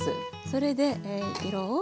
それで色を。